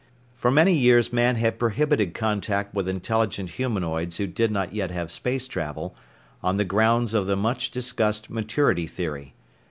For many years Man had prohibited contact with intelligent humanoids who did not yet have space travel, on the grounds of the much discussed Maturity Theory.